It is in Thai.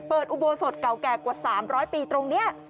อุโบสถเก่าแก่กว่า๓๐๐ปีตรงนี้